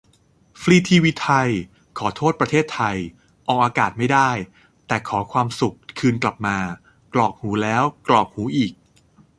ฟรีทีวีไทย :"ขอโทษประเทศไทย" ออกอากาศไม่ได้ แต่ "ขอความสุขคืนกลับมา" กรอกหูแล้วกรอกหูอีก